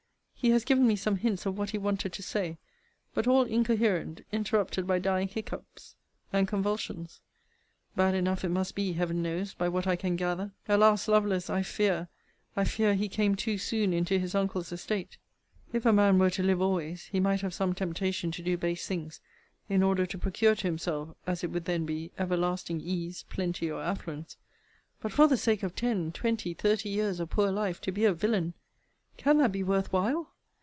He has given me some hints of what he wanted to say; but all incoherent, interrupted by dying hiccoughs and convulsions. Bad enough it must be, Heaven knows, by what I can gather! Alas! Lovelace, I fear, I fear, he came too soon into his uncle's estate. If a man were to live always, he might have some temptation to do base things, in order to procure to himself, as it would then be, everlasting ease, plenty, or affluence; but, for the sake of ten, twenty, thirty years of poor life to be a villain Can that be worth while?